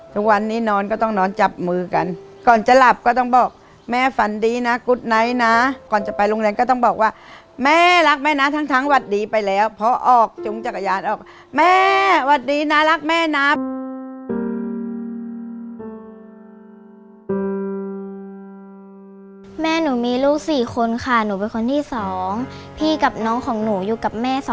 ทุกวันนี้นอนก็ต้องนอนจับมือกันก่อนจะหลับก็ต้องบอกแม่ฝันดีนะกุ๊ดไนท์นะก่อนจะไปโรงแรมก็ต้องบอกว่าแม่รักแม่นะทั้งทั้งวัดดีไปแล้วเพราะออกจุงจักรยานออกแม่วัดดีนะรักแม่นับ